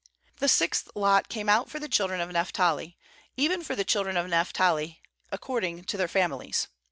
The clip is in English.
^The sixth lot caine out for the children of Naphtali, even for the children of Naphtali according to their families.